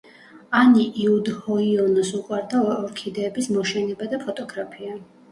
ანი იუდჰოიონოს უყვარდა ორქიდეების მოშენება და ფოტოგრაფია.